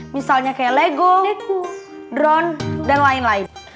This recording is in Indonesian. misalnya kayak lego drone dan lain lain